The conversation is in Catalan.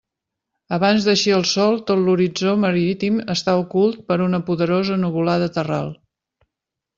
Abans d'eixir el sol tot l'horitzó marítim està ocult per una poderosa nuvolada terral.